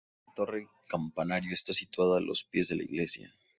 La torre-campanario está situada a los pies de la iglesia.